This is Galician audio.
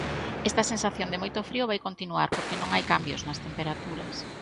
Esta sensación de moito frío vai continuar porque non hai cambios nas temperaturas.